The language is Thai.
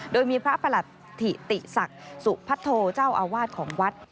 โดยมีพระประหลัดถิติศักดิ์สุพัทโทเจ้าอาวาสของวัด